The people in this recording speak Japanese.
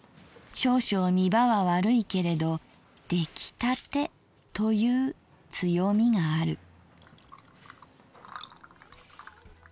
少々見場は悪いけれど出来たてという強みがある」。